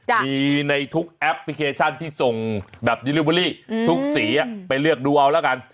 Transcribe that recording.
มีในทุกแอปพลิเคชันที่ส่งแบบดิลิเวอรี่ทุกสีไปเลือกดูเอาละกัน